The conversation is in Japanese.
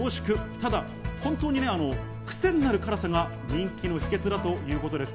ただ本当にね、クセのある辛さが人気の秘訣だということです。